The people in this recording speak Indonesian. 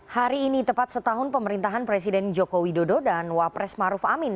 hari ini tepat setahun pemerintahan presiden joko widodo dan wapres maruf amin